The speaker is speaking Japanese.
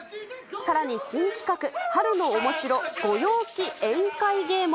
さらに新企画、春のおもしろご陽気宴会芸も。